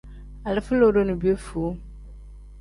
Alifa lodo ni piyefuu.